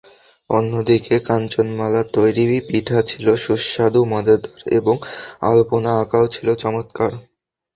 অন্যদিকে কাঞ্চনমালার তৈরি পিঠা ছিল সুস্বাদু, মজাদার এবং আলপনা আঁকাও ছিল চমত্কার।